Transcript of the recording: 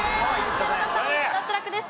寺田さん脱落です。